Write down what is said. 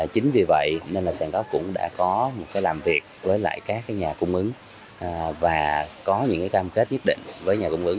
chính vì vậy nên là sàn góc cũng đã có một làm việc với lại các nhà cung ứng và có những cam kết nhất định với nhà cung ứng